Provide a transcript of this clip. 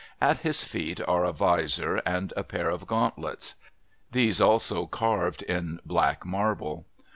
At his feet are a vizor and a pair of gauntlets, these also carved in black marble.